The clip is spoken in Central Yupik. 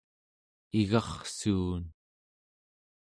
igarrsuun